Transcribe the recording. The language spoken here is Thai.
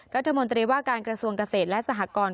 รัฐมนตรีว่าการกระทรวงเกษตรและสหกร